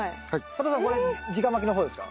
加藤さんこれじかまきの方ですか？